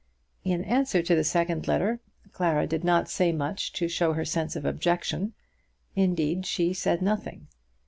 In answer to the second letter, Clara did not say much to show her sense of objection. Indeed she said nothing.